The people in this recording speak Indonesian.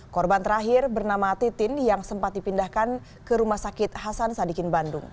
korban terakhir bernama titin yang sempat dipindahkan ke rumah sakit hasan sadikin bandung